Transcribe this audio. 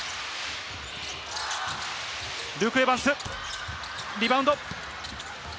ルーク・エヴァンス、リバウンド。